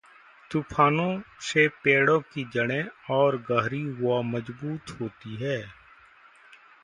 तूफ़ानों से पेड़ों की जड़ें और गहरी व मज़बूत होती है।